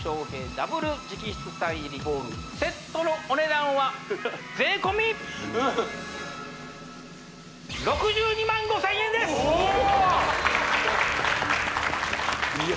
ダブル直筆サイン入りボールセットのお値段は税込６２万５０００円ですいや